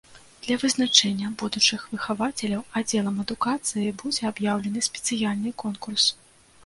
Для вызначэння будучых выхавацеляў аддзелам адукацыі будзе аб'яўлены спецыяльны конкурс.